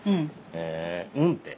へえ「うん」って。